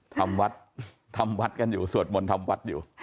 ทำวัดทำวัดกันอยู่สวดมนต์ทำวัดอยู่